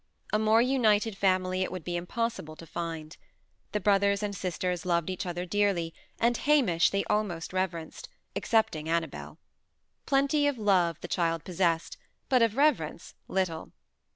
A more united family it would be impossible to find. The brothers and sisters loved each other dearly, and Hamish they almost reverenced excepting Annabel. Plenty of love the child possessed; but of reverence, little.